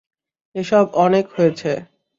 এসব অনেক হয়েছে।